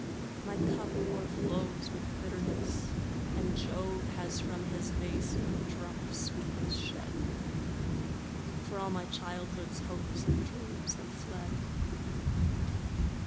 My cup o'erflows with bitterness, and Jove Has from his vase no drop of sweetness shed, For all my childhood's hopes and dreams have fled.